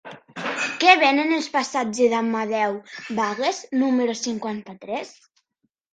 Què venen al passatge d'Amadeu Bagués número cinquanta-tres?